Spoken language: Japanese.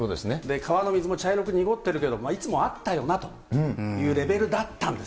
川の水も茶色く濁ってるけど、いつもあったよなというレベルだ